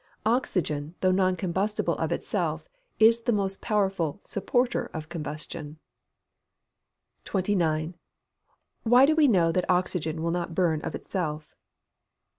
Oxygen, though non combustible of itself, is the most powerful supporter of combustion. 29. _Why do we know that oxygen will not burn of itself?